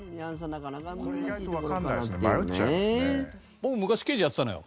僕昔刑事やってたのよ